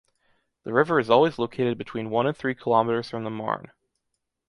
The river is always located between one and three kilometers from the Marne.